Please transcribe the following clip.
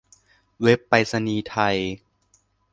เว็บไปรษณีย์ไทย